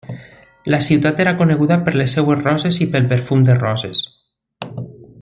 La ciutat era coneguda per les seves roses i pel perfum de roses.